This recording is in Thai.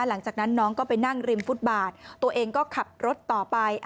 หลังจากนั้นน้องก็ไปนั่งริมฟุตบาทตัวเองก็ขับรถต่อไป